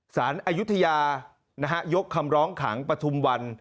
สารอายุทยายกคำร้องขังปฐุมวัน